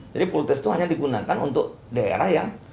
jadi pool test itu hanya digunakan untuk daerah yang